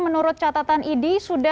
menurut catatan id